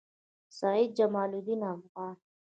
سعید جمالدین افغان